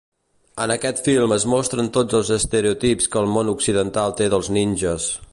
En aquest film es mostren tots els estereotips que el món occidental té dels ninges.